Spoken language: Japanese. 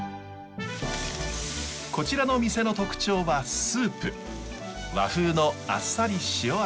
こちらの店の特徴はスープ。